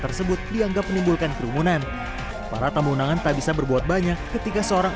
tersebut dianggap menimbulkan kerumunan para tamu undangan tak bisa berbuat banyak ketika seorang